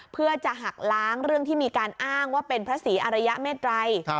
เพื่อจะหักล้างเรื่องที่มีการอ้างว่าเป็นพระศรีอารยเมตรัย